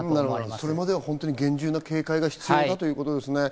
それまでは厳重な警戒が必要ということですね。